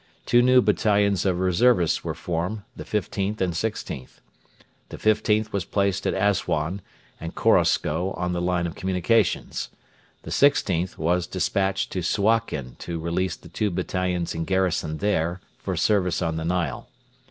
Two new battalions of reservists were formed, the 15th and 16th. The 15th was placed at Assuan and Korosko on the line of communications. The 16th was despatched to Suakin to release the two battalions in garrison there for service on the Nile.